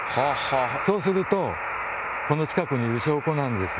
そうすると、この近くにいる証拠なんです。